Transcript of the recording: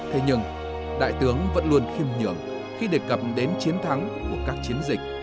thế nhưng đại tướng vẫn luôn khiêm nhường khi đề cập đến chiến thắng của các chiến dịch